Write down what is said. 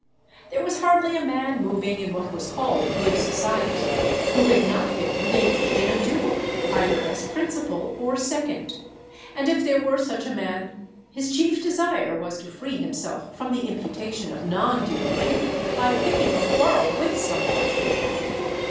There was hardly a man moving in what was called good society, who had not been engaged in a duel either as principal or second; and if there were such a man, his chief desire was to free himself from the imputation of non duelling, by picking a quarrel with somebody.